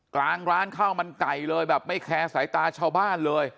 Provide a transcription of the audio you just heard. กลางร้านข้าวมันไก่เลยแบบไม่แคร์สายตาชาวบ้านเลย